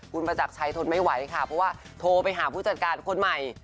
คุณประจักรชัยทนไม่ไหวค่ะเพราะว่าโทรไปหาผู้จัดการคนใหม่